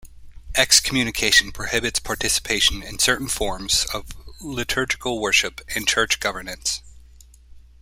Excommunication prohibits participation in certain forms of liturgical worship and church governance.